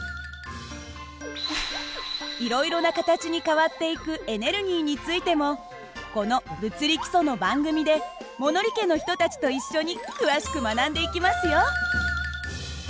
いろいろな形に変わっていくエネルギーについてもこの「物理基礎」の番組で物理家の人たちと一緒に詳しく学んでいきますよ。